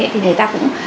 thì người ta cũng